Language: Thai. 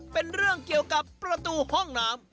เป็นเรื่องเกี่ยวกับประตูห้องน้ำ